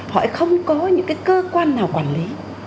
họ không có những cơ quan nào quản lý